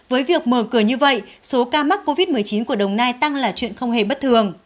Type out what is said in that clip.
với việc mở cửa như vậy số ca mắc covid một mươi chín của đồng nai tăng là chuyện không hề bất thường